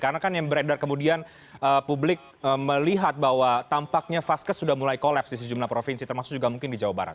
karena kan yang beredar kemudian publik melihat bahwa tampaknya vaskes sudah mulai kolaps di sejumlah provinsi termasuk juga mungkin di jawa barat